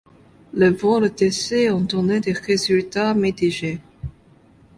Les vols d'essai ont donné des résultats mitigés.